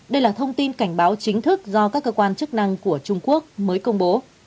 đây là thông tin cảnh báo chính thức do các cơ quan chức năng của trung quốc mới công bố